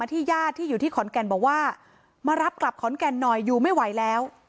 ญาติที่อยู่ที่ขอนแก่นบอกว่ามารับกลับขอนแก่นหน่อยอยู่ไม่ไหวแล้ว